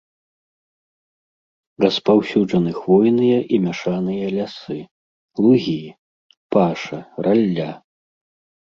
Распаўсюджаны хвойныя і мяшаныя лясы, лугі, паша, ралля.